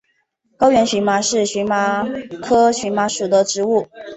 高原荨麻是荨麻科荨麻属的植物。